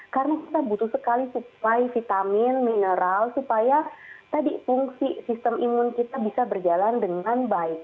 karena kita butuh sekali supply vitamin mineral supaya tadi fungsi sistem imun kita bisa berjalan dengan baik